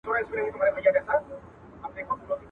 د بل جنگ لوى اختر دئ.